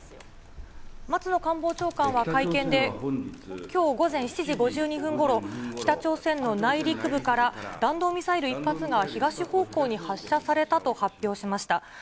松野官房長官は会見で、きょう午前７時５２分ごろ、北朝鮮の内陸部から、弾道ミサイル１発が東方向に発射されたと発表しました。